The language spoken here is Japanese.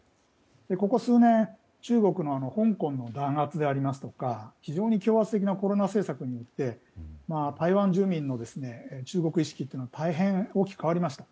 ここ数年中国の香港の弾圧であるとか非常に強圧的なコロナ政策によって台湾住民の中国意識が大変、大きく変わりました。